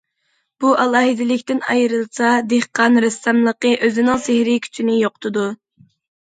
بۇ ئالاھىدىلىكتىن ئايرىلسا، دېھقان رەسساملىقى ئۆزىنىڭ سېھرىي كۈچىنى يوقىتىدۇ.